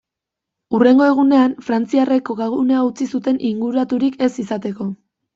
Hurrengo egunean frantziarrek kokagunea utzi zuten inguraturik ez izateko.